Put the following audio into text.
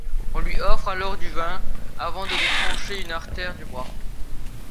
On lui offre alors du vin avant de lui trancher une artère du bras.